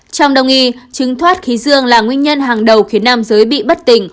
trong đồng ý chứng thoát khí dương là nguyên nhân hàng đầu khiến nam giới bị bất tỉnh